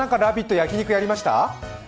焼き肉やりました？